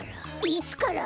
いつから？